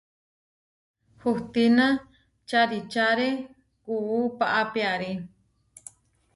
Hustína čaríčare kuú paá piarí.